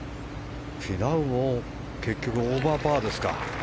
フィナウも結局オーバーパーですか。